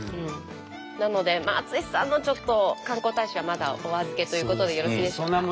なので淳さんのちょっと観光大使はまだお預けということでよろしいでしょうか？